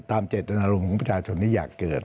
เจตนารมณ์ของประชาชนที่อยากเกิด